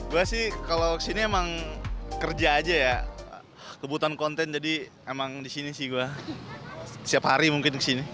gue sih kalau kesini emang kerja aja ya kebutuhan konten jadi emang disini sih gue setiap hari mungkin kesini